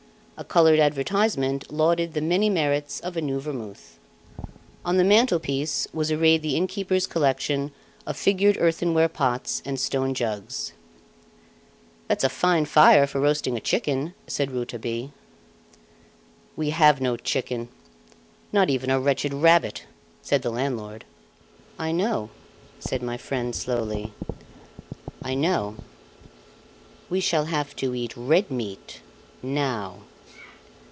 A coloured advertisement lauded the many merits of a new vermouth. On the mantelpiece was arrayed the innkeeper's collection of figured earthenware pots and stone jugs. "That's a fine fire for roasting a chicken," said Rouletabille. "We have no chicken not even a wretched rabbit," said the landlord. "I know," said my friend slowly; "I know We shall have to eat red meat now."